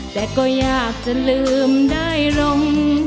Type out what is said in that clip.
แต่ก็อยากจะลืมได้ลง